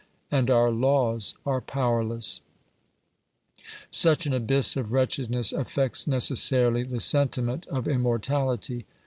And our laws are powerless ! Such an abyss of wretchedness affects necessarily the sentiment of immortality.